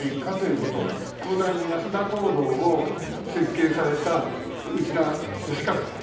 東大の安田講堂を設計された内田祥三さん。